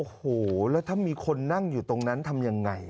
โอ้โหแล้วถ้ามีคนนั่งอยู่ตรงนั้นทำยังไง